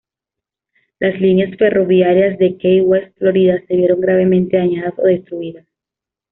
Las líneas ferroviarias de Key West Florida se vieron gravemente dañadas o destruidas.